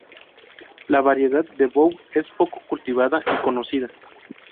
La variedad 'De Bou' es poco cultivada y conocida.